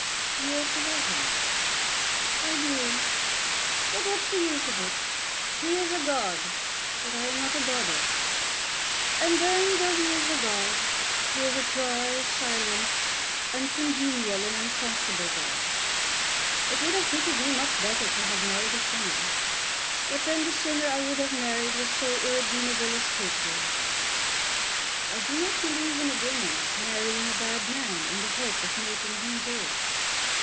"You ought to love him." "I do; but what's the use of it? He is a god, but I am not a goddess; and then, though he is a god, he is a dry, silent, uncongenial and uncomfortable god. It would have suited me much better to have married a sinner. But then the sinner that I would have married was so irredeemable a scapegrace." "I do not believe in a woman marrying a bad man in the hope of making him good."